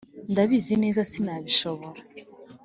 ndabizi neza sinabishobora